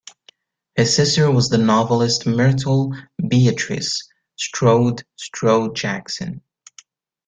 His sister was the novelist Myrtle Beatrice Strode Strode-Jackson.